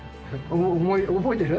覚えてる？